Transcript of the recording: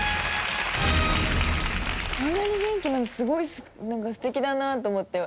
あんなに元気なのすごい素敵だなと思って。